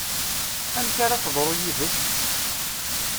Amek ara teḍru yid-k?